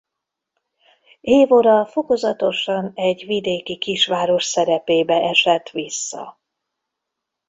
Évora fokozatosan egy vidéki kisváros szerepébe esett vissza.